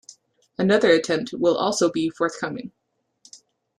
Another attempt will also be forthcoming.